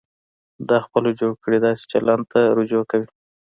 دا خپله جوړ کړي داسې چلند ته رجوع کوي.